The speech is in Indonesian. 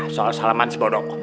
soal salaman sebodong